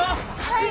はい。